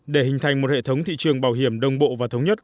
để hình thành một hệ thống thị trường bảo hiểm đồng bộ và thống nhất